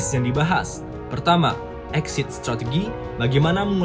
masih meninggalkan efek luka memar